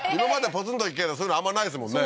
ポツンと一軒家でそういうのあんまないですもんね